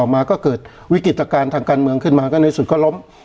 มาก็เกิดวิกฤตการณ์ทางการเมืองขึ้นมาก็ในสุดก็ล้ม